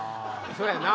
そうやな。